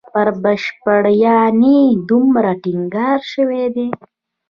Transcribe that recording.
پر بشرپالنې دومره ټینګار شوی دی.